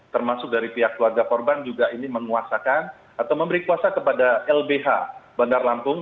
termasuk dari pihak keluarga korban juga ini menguasakan atau memberi kuasa kepada lbh bandar lampung